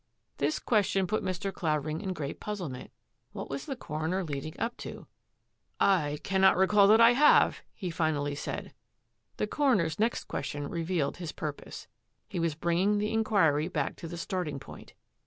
*' This question put Mr. Clavering in great puzzle ment. What was the coroner leading up to? " I cannot recollect that I have," he finally said. The coroner's next question revealed his pur pose. He was bringing the inquiry back to the starting point.